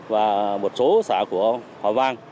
và một số xã của hòa vang